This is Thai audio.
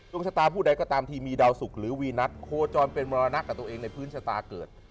ชะตาผู้ใดก็ตามทีมีดาวสุกหรือวีนัทโคจรเป็นมรณะกับตัวเองในพื้นชะตาเกิด